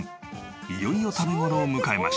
いよいよ食べ頃を迎えました。